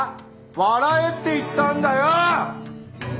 笑えって言ったんだよ！